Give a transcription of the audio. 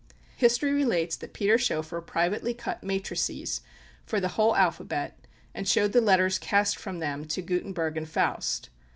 History relates that Peter Schoeffer privately cut matrices for the whole alphabet, and showed the letters cast from them to Gutenberg and Faust.